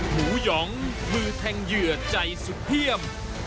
หยองมือแทงเหยื่อใจสุดเทียม